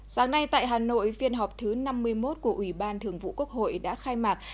sáng nay tại hà nội phiên họp thứ năm mươi một của ủy ban thường vụ quốc hội đã khai mạc